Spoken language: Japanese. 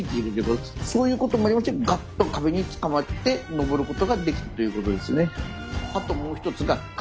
そういうことが要するにがっと壁につかまって登ることができたということですね。